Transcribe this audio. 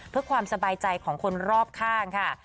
เพื่อความสบายใจของคนรอบข้างค่ะ